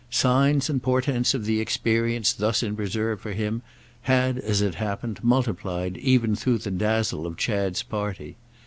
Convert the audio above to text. Signs and portents of the experience thus in reserve for him had as it happened, multiplied even through the dazzle of Chad's party.